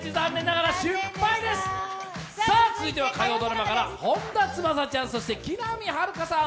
続いては火曜ドラマから本田翼ちゃんそして木南晴夏さん